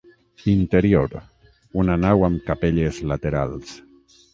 Interior: una nau amb capelles laterals.